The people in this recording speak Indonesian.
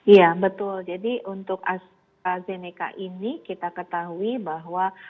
iya betul jadi untuk astrazeneca ini kita ketahui bahwa